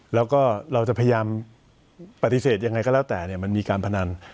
แล้วก็เราจะพยายามปฏิเสธยังไงก็แล้วแต่มันมีการพนัน